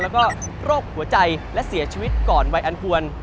แล้วก็โรคหัวใจและเสียชีวิตก่อนวัยอันควร